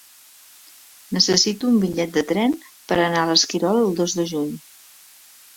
Necessito un bitllet de tren per anar a l'Esquirol el dos de juny.